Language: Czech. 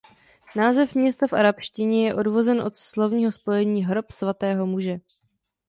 Název města v arabštině je odvozen od slovního spojení „Hrob svatého muže“.